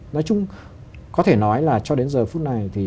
nói chung có thể nói là cho đến giờ phút này thì